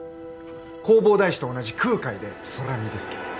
弘法大師と同じ空海でそらみですけど？